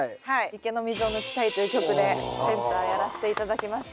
「池の水を抜きたい」という曲でセンターやらせて頂きました。